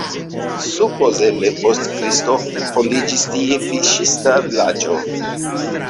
Supozeble post Kristo fondiĝis tie fiŝista vilaĝo.